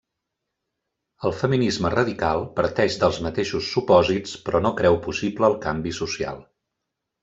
El feminisme radical parteix dels mateixos supòsits, però no creu possible el canvi social.